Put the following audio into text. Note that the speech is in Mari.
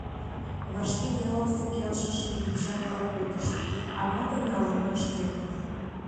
Вашке ялысе келшыше пинчак-влак пытышт, а ватым налын ыш керт.